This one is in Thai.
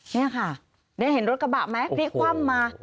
นี่ค่ะได้เห็นรถกระบะไหมพลิกคว่ำมา